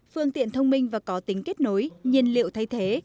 phương tiện thông minh và có tính kết nối nhiên liệu thay thế